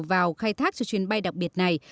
vào khai thác cho chuyến bay đặc biệt này